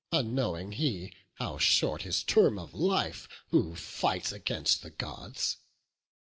Unknowing he how short his term of life Who fights against the Gods!